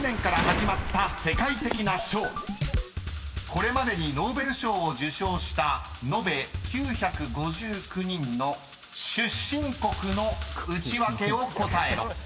［これまでにノーベル賞を受賞した延べ９５９人の出身国のウチワケを答えろ］